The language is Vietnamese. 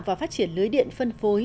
và phát triển lưới điện phân phối